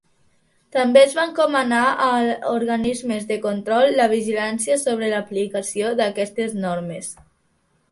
També es va encomanar a Organismes de control la vigilància sobre l'aplicació d'aquestes normes.